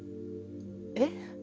えっ？